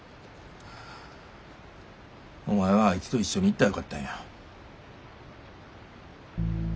お前はあいつと一緒に行ったらよかったんや。